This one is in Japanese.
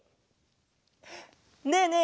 ねえねえ